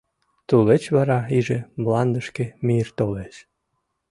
Тулеч вара иже мландышке мир толеш.